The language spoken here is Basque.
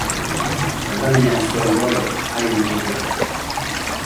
Aldamenean zuen Blore, arin mugituta.